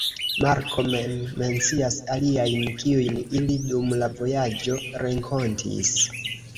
Marko mem mencias aliajn, kiujn ili dum la vojaĝo renkontis.